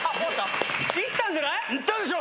いったでしょ！